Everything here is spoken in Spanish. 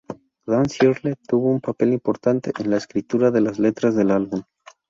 Dan Searle tuvo un papel importante en la escritura de las letras del álbum.